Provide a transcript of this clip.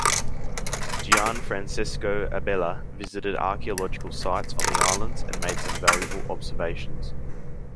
Gian Francesco Abela visited archaeological sites on the islands and made some valuable observations.